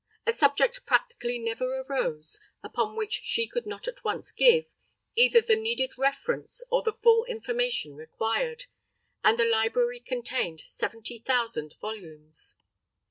A subject practically never arose upon which she could not at once give, either the needed reference or the full information required, and the library contained seventy thousand volumes!